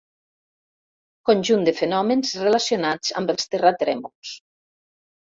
Conjunt de fenòmens relacionats amb els terratrèmols.